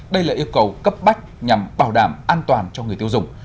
đây là yêu cầu cấp bách nhằm bảo đảm an toàn cho người tiêu dùng